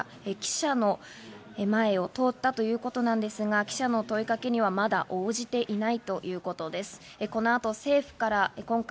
浜田防衛大臣が記者の前を通ったということなんですが、記者の問いかけにはまだ応じていないということです。